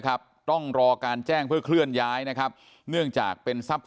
ครับต้องรอการแจ้งเพื่อเคลื่อนย้ายนะครับเนื่องจากเป็นทรัพย์